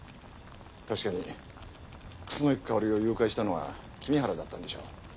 確かに楠木香織を誘拐したのは君原だったんでしょう。